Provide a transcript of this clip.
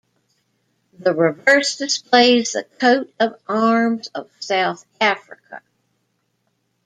The reverse displays the Coat of Arms of South Africa.